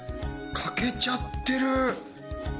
欠けちゃってる